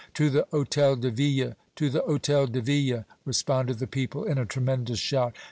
"To the Hôtel de Ville! to the Hôtel de Ville!" responded the people in a tremendous shout.